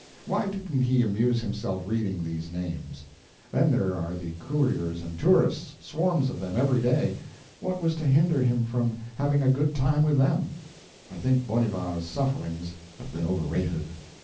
Why didn't he amuse himself reading these names? Then there are the couriers and tourists swarms of them every day what was to hinder him from having a good time with them? I think Bonnivard's sufferings have been overrated.